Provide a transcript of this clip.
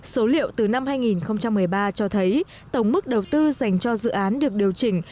số liệu từ năm hai nghìn một mươi ba cho thấy tổng mức đầu tư dành cho dự án được điều chỉnh